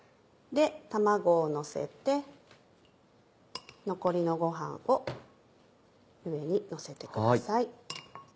卵をのせて残りのご飯を上にのせてください。